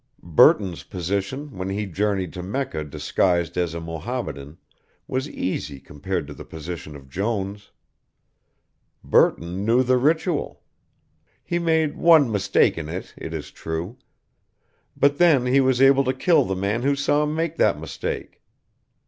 Burton's position when he journeyed to Mecca disguised as a Mohammedan was easy compared to the position of Jones. Burton knew the ritual. He made one mistake in it it is true, but then he was able to kill the man who saw him make that mistake.